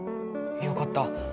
よかった。